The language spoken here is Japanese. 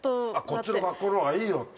こっちの格好の方がいいよって。